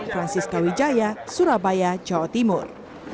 francis kawijaya surabaya jawa timur